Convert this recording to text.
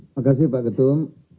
makasih pak ketua